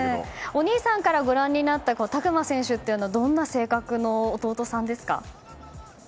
お兄さんからご覧になった拓磨選手はどんな性格の弟さんですか？